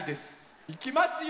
いきますよ！